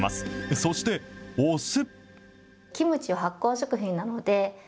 そしてお酢。